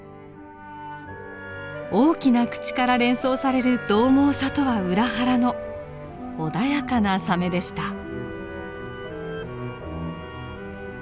大きな口から連想されるどう猛さとは裏腹の穏やかなサメでした。